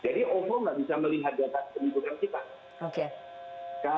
jadi oco tidak bisa melihat data penipuan kita